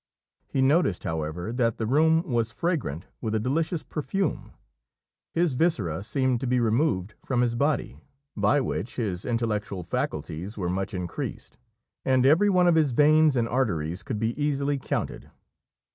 He noticed, however, that the room was fragrant with a delicious perfume; his viscera seemed to be removed from his body, by which his intellectual faculties were much increased; and every one of his veins and arteries could be easily counted.